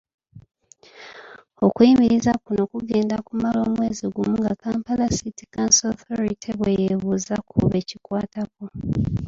Okuyimiriza kuno ku genda kumala omwezi gumu nga Kampala City Council Authority bweyeebuuza ku bekikwatako.